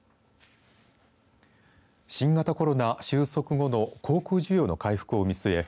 新型コロナ収束後の航空需要の回復を見据え